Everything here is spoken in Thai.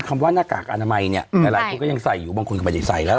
ว่าหน้ากากอนามัยเนี่ยหลายคนก็ยังใส่อยู่บางคนก็ไม่ได้ใส่แล้ว